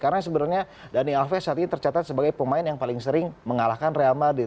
karena sebenarnya dani alves saat ini tercatat sebagai pemain yang paling sering mengalahkan real madrid